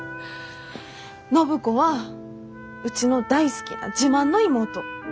暢子はうちの大好きな自慢の妹。